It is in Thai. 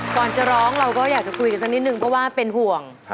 ก่อนจะร้องเราก็อยากจะคุยกันสักนิดนึงเพราะว่าเป็นห่วง